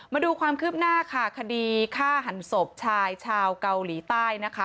มาดูความคืบหน้าค่ะคดีฆ่าหันศพชายชาวเกาหลีใต้นะคะ